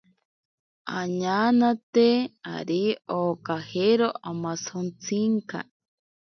Añanate ari okajero amasontsinka.